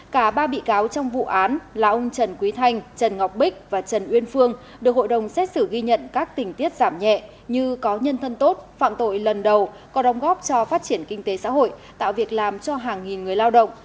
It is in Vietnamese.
cả ba bị cáo trong vụ án là ông trần quý thanh trần ngọc bích và trần uyên phương được hội đồng xét xử ghi nhận các tình tiết giảm nhẹ như có nhân thân tốt phạm tội lần đầu có đồng góp cho phát triển kinh tế xã hội tạo việc làm cho hàng nghìn người lao động